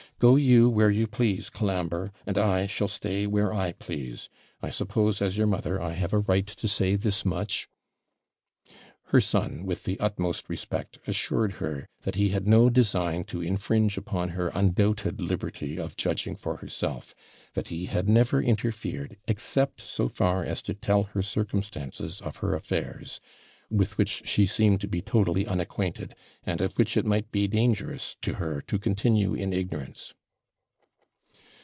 Go you where you please, Colambre; and I shall stay where I please: I suppose, as your mother, I have a right to say this much?' Her son, with the utmost respect, assured her that he had no design to infringe upon her undoubted liberty of judging for herself; that he had never interfered, except so far as to tell her circumstances of her affairs, with which she seemed to be totally unacquainted, and of which it might be dangerous to her to continue in ignorance.